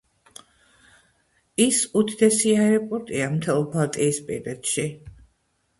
ის უდიდესი აეროპორტია მთელ ბალტიისპირეთში.